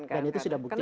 dan itu sudah dibuktikan